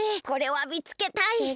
これはみつけたい！